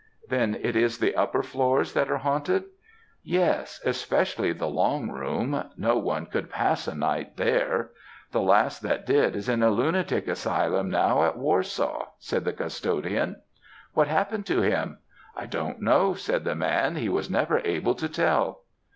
"'Then it is the upper floors that are haunted?' "'Yes, especially the long room, no one could pass a night there; the last that did is in a lunatic asylum now at Warsaw,' said the custodian. "'What happened to him?' "'I don't know,' said the man; 'he was never able to tell.'